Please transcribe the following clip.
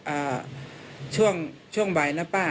เอ่อช่วงบ่ายนะป๊า